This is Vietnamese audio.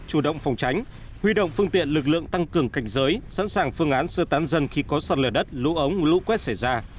chủ động phòng tránh huy động phương tiện lực lượng tăng cường cảnh giới sẵn sàng phương án sơ tán dân khi có sạt lở đất lũ ống lũ quét xảy ra